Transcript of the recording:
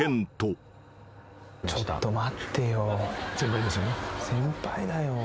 ちょっと待ってよ。